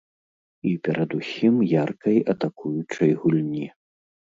І перадусім яркай атакуючай гульні.